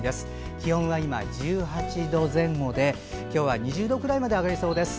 気温が今１８度前後で今日は２０度くらいまで上がりそうです。